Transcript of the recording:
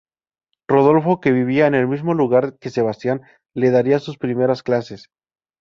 Rodolfo, que vivía en el mismo lugar que Sebastián, le daría sus primeras clases.